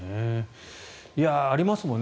ありますもんね